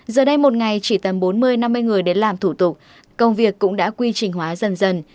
giờ đây một ngày chỉ tầm bốn mươi năm mươi người đến làm thủ tục công việc cũng đã quy trình hóa dần dần